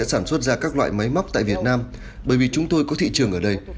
sản xuất ra các loại máy móc tại việt nam bởi vì chúng tôi có thị trường ở đây